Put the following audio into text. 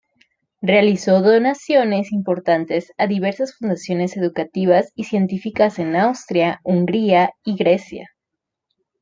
Realizó donaciones importantes a diversas fundaciones educativas y científicas en Austria, Hungría y Grecia.